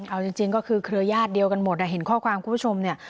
เอาจริงก็คือเครือญาติเดียวกันหมดเห็นข้อความคุณผู้ชมเนี่ย